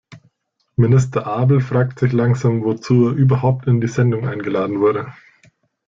Minister Abel fragt sich langsam, wozu er überhaupt in die Sendung eingeladen wurde.